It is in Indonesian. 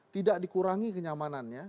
tidak dikurangi kenyamanannya